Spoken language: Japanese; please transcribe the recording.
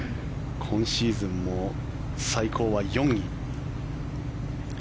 今シーズンも最高は４位。